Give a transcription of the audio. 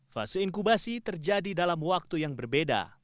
fase inkubasi terjadi dalam waktu yang berbeda